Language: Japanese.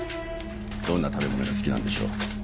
どんな食べ物が好きなんでしょう？